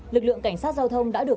lực lượng cảnh sát giao thông đã được